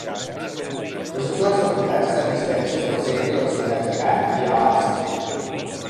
Les actuals facultats estan disperses pel centre de les ciutats de Gant i Aalst.